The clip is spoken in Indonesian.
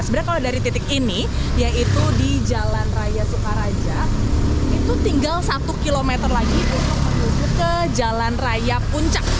sebenarnya kalau dari titik ini yaitu di jalan raya sukaraja itu tinggal satu km lagi untuk menuju ke jalan raya puncak